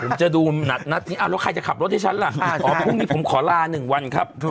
ผมจะดูนัดนี้แล้วใครจะขับรถให้ฉันล่ะอ๋อพรุ่งนี้ผมขอลา๑วันครับ